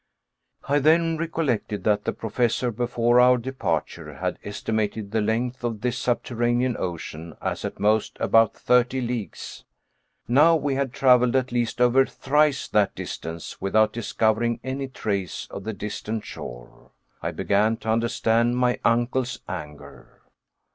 I then recollected that the Professor, before our departure, had estimated the length of this subterranean ocean as at most about thirty leagues. Now we had traveled at least over thrice that distance without discovering any trace of the distant shore. I began to understand my uncle's anger.